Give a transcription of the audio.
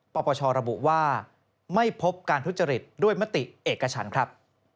ปปชระบุว่าไม่พบการทุจริตด้วยมติเอกชันครับ